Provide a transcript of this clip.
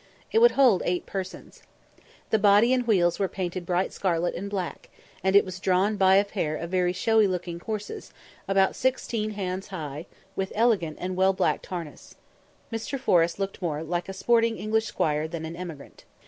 It would hold eight persons. The body and wheels were painted bright scarlet and black; and it was drawn by a pair of very showy looking horses, about sixteen "hands" high, with elegant and well blacked harness. Mr. Forrest looked more like a sporting English squire than an emigrant.